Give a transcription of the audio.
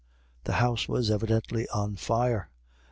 The house was evidently on fire.